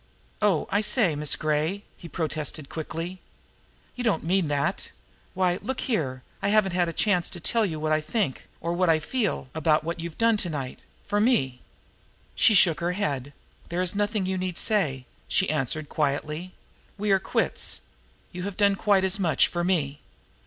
"Oh, I say, Miss Gray!" he protested quickly. "You don't mean that! Why, look here, I haven't had a chance to tell you what I think, or what I feel, about what you've done to night for me." She shook her head. "There is nothing you need say," she answered quietly. "We are only quits. You have done quite as much for me."